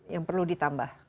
yang perlu ditambah